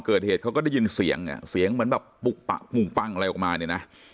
เขาก็ได้ยินเสียงเสียงเหมือนแบบปุ้งปั้งอะไรออกมานี่นะ